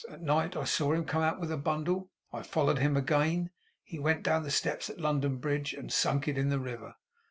At night, I saw him come out with a bundle. I followed him again. He went down the steps at London Bridge, and sunk it in the river.